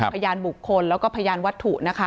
พยานบุคคลแล้วก็พยานวัตถุนะคะ